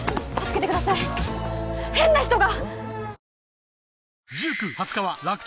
変な人が！